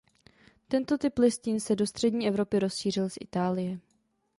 Tento typ listin se do střední Evropy rozšířil z Itálie.